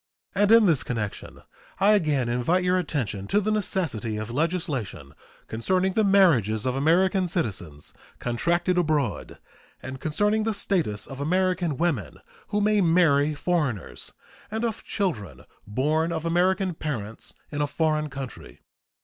And in this connection I again invite your attention to the necessity of legislation concerning the marriages of American citizens contracted abroad, and concerning the status of American women who may marry foreigners and of children born of American parents in a foreign country.